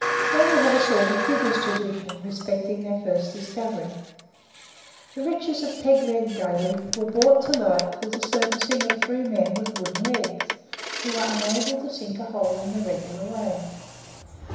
Many have a sort of digger's tradition respecting their first discovery. The riches of Peg Leg Gully were brought to light through the surfacing of three men with wooden legs, who were unable to sink a hole in the regular way.